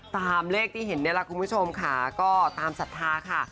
ตามเลขที่เห็นนี่แหละคุณผู้ชมค่ะก็ตามศรัทธาค่ะ